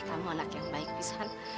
kamu anak yang baik pisan